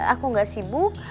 aku gak sibuk